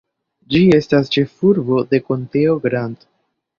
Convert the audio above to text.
Ĝi estas ĉefurbo de konteo Grant.